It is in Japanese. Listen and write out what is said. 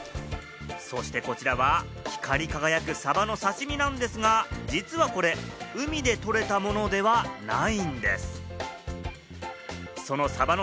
そしてこちらは、光り輝くサバの刺し身なんですが、実はこれ海でとれたものではないんです。